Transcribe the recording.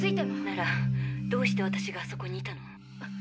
ならどうして私があそこにいたの？